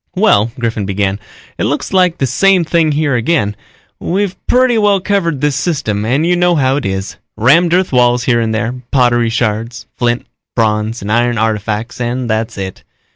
"Well," Griffin began, "it looks like the same thing here again. We've pretty well covered this system and you know how it is. Rammed earth walls here and there, pottery shards, flint, bronze and iron artifacts and that's it.